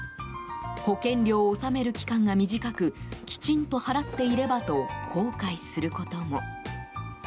保険料を納める期間が短くきちんと払っていればと後悔することも。